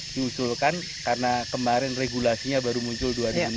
diusulkan karena kemarin regulasinya baru muncul dua ribu enam belas